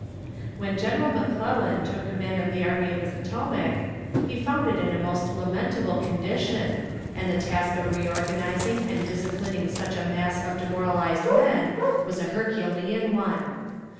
When General McClellan took command of the army of the Potomac, he found it in a most lamentable condition, and the task of reorganizing and disciplining such a mass of demoralized men was a Herculean one.